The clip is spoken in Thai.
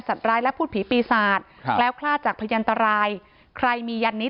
ร้ายและพูดผีปีศาจครับแคล้วคลาดจากพยันตรายใครมียันนี้